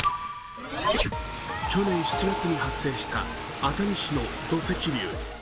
去年７月に発生した熱海市の土石流。